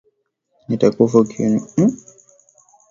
Nitakufa ukiona